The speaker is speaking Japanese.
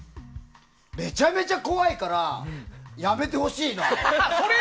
めちゃめちゃ怖いからやめてほしいの。